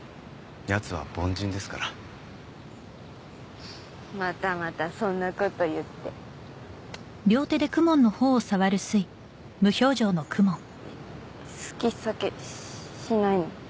やつは凡人ですからまたまたそんなこと言って好き避けしないの？